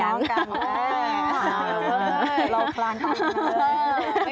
เราคลานตัวเลย